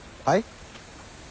はい？